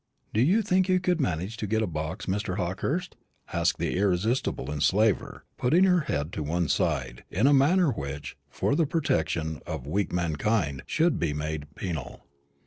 "Do you think you could manage to get a box, Mr. Hawkehurst?" asked the irresistible enslaver, putting her head on one side, in a manner which, for the protection of weak mankind, should be made penal.